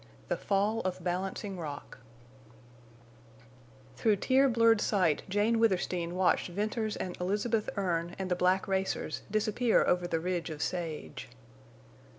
THE FALL OF BALANCING ROCK Through tear blurred sight Jane Withersteen watched Venters and Elizabeth Erne and the black racers disappear over the ridge of sage.